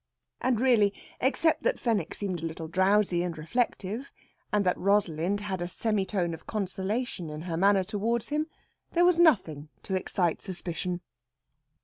And, really, except that Fenwick seemed a little drowsy and reflective, and that Rosalind had a semitone of consolation in her manner towards him, there was nothing to excite suspicion.